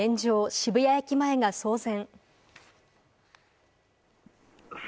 渋谷駅前が騒然。